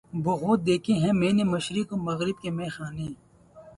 بہت دیکھے ہیں میں نے مشرق و مغرب کے مے خانے